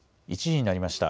１時になりました。